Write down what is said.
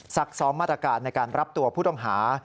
ซักซ้อมมาตรการในการรับตัวผู้ต้องหา